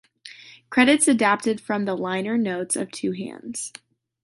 Credits adapted from the liner notes of "Two Hands".